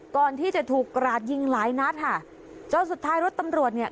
ก่อนที่จะถูกกราดยิงหลายนัดค่ะจนสุดท้ายรถตำรวจเนี่ย